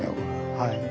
はい。